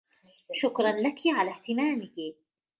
شكراً لكِ على إهتمامِك.